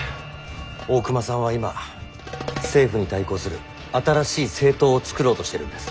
大隈さんは今政府に対抗する新しい政党を作ろうとしてるんです。